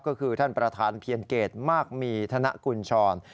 ก็คือท่านประธานเพียรเกตมากมีธนกุญชร